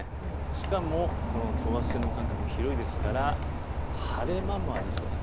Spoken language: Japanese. しかも等圧線の間隔が広いので晴れ間もありそうです。